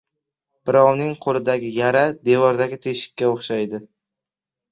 • Birovning qo‘lidagi yara, devordagi teshikka o‘xshaydi.